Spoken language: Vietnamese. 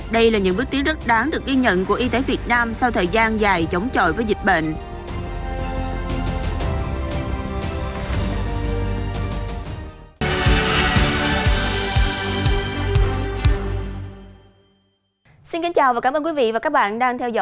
đây là những bước tiến rất đáng được ghi nhận của y tế việt nam sau thời gian dài chống chọi với dịch bệnh